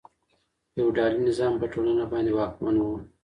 فیوډالي نظام په ټولنه باندې واکمن و.